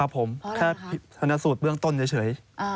ครับผมแค่พิสุทธิ์เบื้องต้นเฉย